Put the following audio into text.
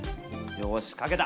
よし書けた！